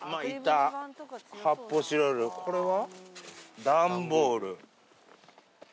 これは？